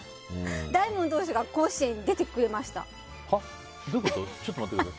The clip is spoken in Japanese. ダイモン投手が甲子園出てくれました。